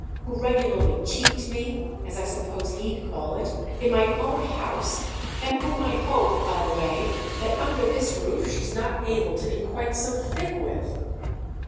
who regularly 'cheeked' me, as I suppose he'd call it, in my own house, and whom I hope, by the way, that under this roof she's not able to be quite so thick with!"